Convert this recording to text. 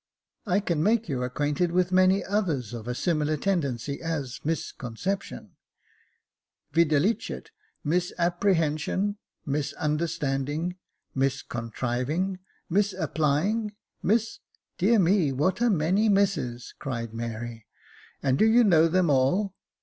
I can make you acquainted with many others of a similar tendency as mfx conception ; videlicet, mu appre hension, W2;j understanding, »zix contriving, wix applying, mis —"" Dear me, what a many misses,'" cried Mary, " and do you know them all